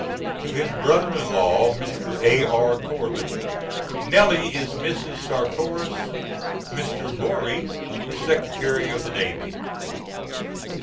[To his brother in law, Mr. A.R. Corbin. "Nellie" is Mrs. Sartoris. Mr. Borie is Secretary of the Navy.